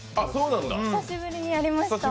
久しぶりにやりました。